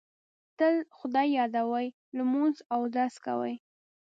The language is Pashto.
تل خدای یادوي، لمونځ اودس کوي.